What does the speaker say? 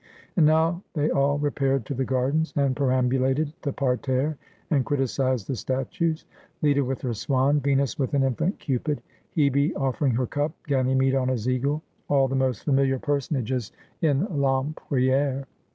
And now they all repaired to the gardens, and perambulated the parterre, and criticised the statues : Leda with her swan, Venus with an infant Cupid, Hebe offering her cup, G anymede on his eagle — all the most familiar personages in Lempriere.